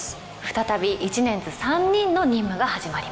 再び一年ズ三人の任務が始まります。